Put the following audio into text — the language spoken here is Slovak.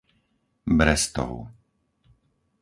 Brestov